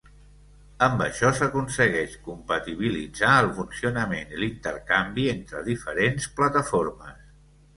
Amb això s'aconsegueix compatibilitzar el funcionament i l'intercanvi entre diferents plataformes.